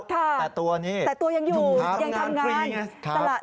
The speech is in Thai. แต่ตัวนี้หาทำงานพรีไงครับแต่ตัวยังอยู่ยังทำงาน